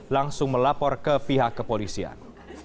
langsung melapor ke pihak kepolisian